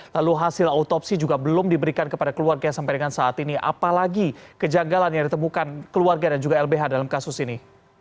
lalu hasil autopsi juga belum diberikan kepada keluarga sampai dengan saat ini apalagi kejanggalan yang ditemukan keluarga dan juga lbh dalam kasus ini